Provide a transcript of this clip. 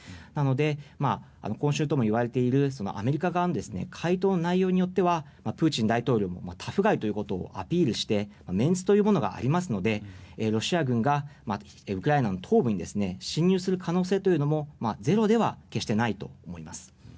なので、今週ともいわれているアメリカ側の回答の内容によってはプーチン大統領もタフガイということをアピールしてメンツというものがありますのでロシア軍がウクライナの東部に侵入する可能性もゼロでは決してないと思います。